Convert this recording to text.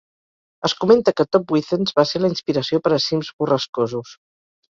Es comenta que Top Withens va ser la inspiració per a "Cims borrascosos".